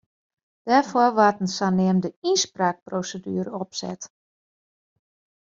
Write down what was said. Dêrfoar waard in saneamde ynspraakproseduere opset.